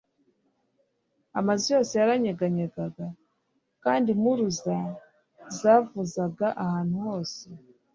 amazu yose yaranyeganyega kandi impuruza zavuzaga ahantu hose